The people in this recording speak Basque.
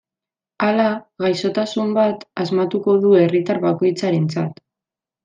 Hala, gaixotasun bat asmatuko du herritar bakoitzarentzat.